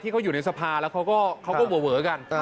เขาอยู่ในสภาแล้วเขาก็เวอกัน